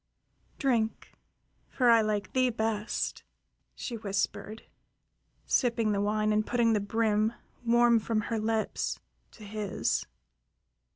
"Drink, for I like thee best," she whispered, sipping the wine and putting the brim, warm from her lips, to his.